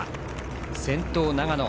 先頭、長野。